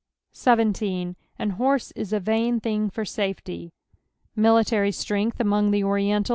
». 17. "An harm it a tain thing for tafety." (Military strength among the Oriental!)